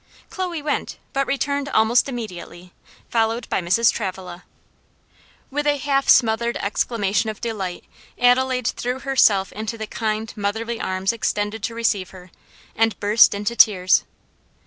Chloe went, but returned almost immediately, followed by Mrs. Travilla. With a half smothered exclamation of delight, Adelaide threw herself into the kind, motherly arms extended to receive her, and burst into tears.